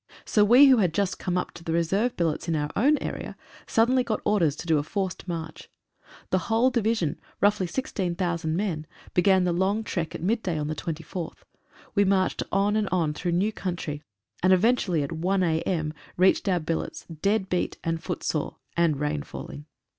So we who had just come up to the reserve billets in our own area suddenly got orders to do a forced march. The whole Division, roughly 16,000 men, began the long trek at mid day on the 24th. We marched on and on through new country, and eventually at 1 a.m., reached our billets, dead beat and foot sore, and rain falling.